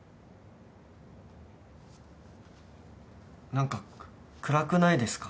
何か暗くないですか？